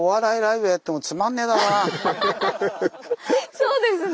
そうですね！